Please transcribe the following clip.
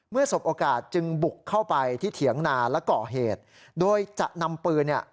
เมื่อสมโอกาสจึงบุกเข้าไปที่เถียงนานและเกาะเหตุ